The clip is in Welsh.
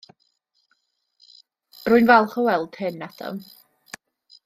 Rwy'n falch o weld hyn, Adam.